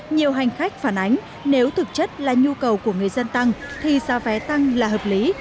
nhiều hành khách phản ánh nếu thực chất là nhu cầu của người dân tăng thì giá vé tăng là hợp lý